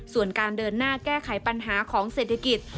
ส่วนการเดินหน้าแก้ไขปัญหาของเศรษฐกิจ